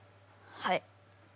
はい。